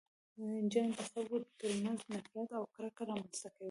جنګ د خلکو تر منځ نفرت او کرکه رامنځته کوي.